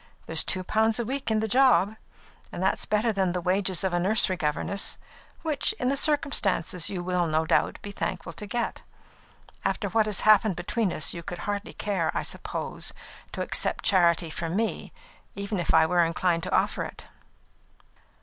There's two pounds a week in the job, and that's better than the wages of a nursery governess, which, in the circumstances, you will, no doubt, be thankful to get. After what has passed between us, you would hardly care, I suppose, to accept charity from me, even if I were inclined to offer it."